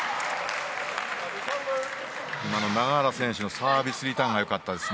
今の永原選手のサービスリターンが良かったです。